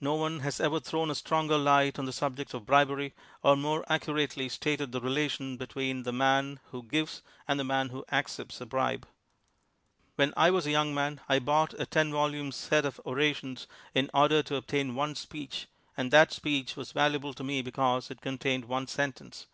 No one has ever thrown a stronger light on the subject of bribery, or more accu rately stated the relation between the man who gives and the man who accepts a bribe. When I was a young man I bought a ten vol ume set of orations in order to obtain one speech, and that speech was valuable to me because it contained one sentence.